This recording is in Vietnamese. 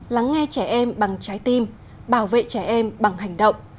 lắng nghe trẻ em bằng trái tim bảo vệ trẻ em bằng hành động